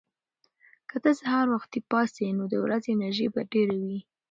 که ته سهار وختي پاڅې، نو د ورځې انرژي به ډېره وي.